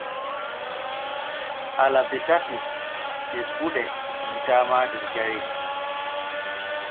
Alabe tati kebude yiitaama der jayri.